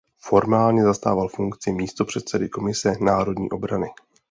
Formálně zastával funkci místopředsedy Komise národní obrany.